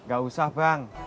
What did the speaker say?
gak usah bang